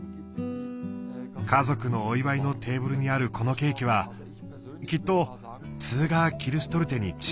家族のお祝いのテーブルにあるこのケーキはきっとツーガー・キルシュトルテに違いない！